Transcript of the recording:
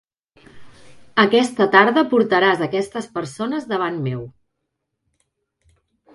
Aquesta tarda portaràs aquestes persones davant meu.